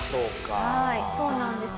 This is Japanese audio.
はいそうなんですよ。